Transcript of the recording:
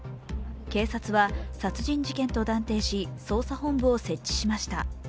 警察は殺人事件と断定し、捜査本部を設置しました。